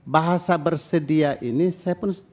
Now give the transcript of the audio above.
bahasa bersedia ini saya pun